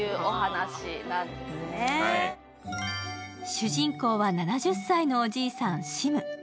主人公は７０歳のおじいさん・シム。